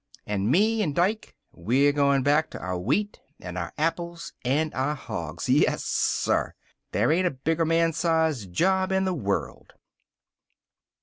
An' me and Dike, we're goin' back to our wheat and our apples and our hogs. Yessir! There ain't a bigger man size job in the world."